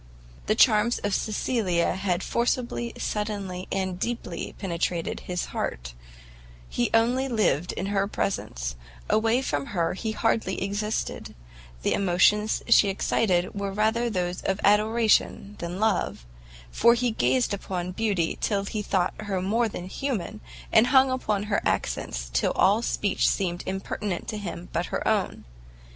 The charms of Cecilia had forcibly, suddenly and deeply penetrated his heart; he only lived in her presence, away from her he hardly existed: the emotions she excited were rather those of adoration than of love, for he gazed upon her beauty till he thought her more than human, and hung upon her accents till all speech seemed impertinent to him but her own.